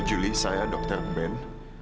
julie saya dokter ben